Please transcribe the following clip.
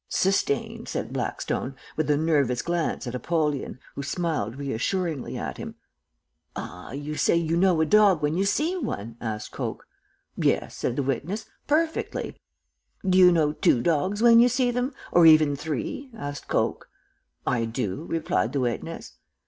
"'Sustained,' said Blackstone, with a nervous glance at Apollyon, who smiled reassuringly at him. "'Ah, you say you know a dog when you see one?' asked Coke. "'Yes,' said the witness, 'perfectly.' "'Do you know two dogs when you see them, or even three?' asked Coke. "'I do,' replied the witness.